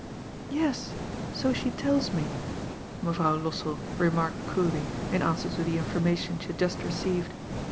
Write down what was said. " Yes, so she tells me," Mevrouw Lossell remarked coolly, in answer to the information she had just received.